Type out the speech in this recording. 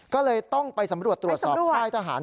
ก็เลยต้องไปสำรวจตรวจสอบค่ายทหาร